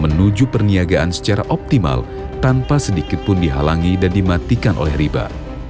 sehingga manusia bisa menjaga perniagaan secara optimal tanpa sedikitpun dihalangi dan dimatikan oleh riba